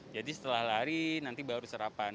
jadi setelah lari nanti baru sarapan